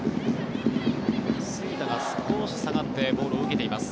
杉田が少し下がってボールを受けています。